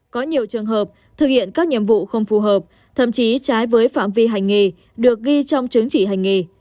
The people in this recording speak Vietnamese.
có nhiều trường hợp thực hiện các nhiệm vụ không phù hợp thậm chí trái với phạm vi hành nghề được ghi trong chứng chỉ hành nghề